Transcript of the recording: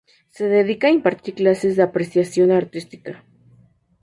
Se dedica a impartir clases de apreciación artística.